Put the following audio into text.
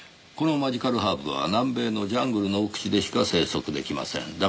このマジカルハーブは南米のジャングルの奥地でしか生息出来ません。